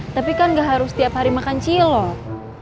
tapi kan gak harus setiap hari makan cilok